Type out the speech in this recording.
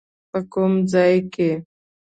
په کوم ځای کې؟